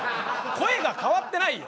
声が変わってないよ。